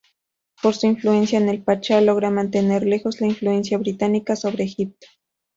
Por su influencia con el pachá logra mantener lejos la influencia británica sobre Egipto.